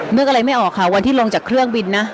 นึกอะไรไม่ออกค่ะวันที่ลงจากเครื่องบินนะ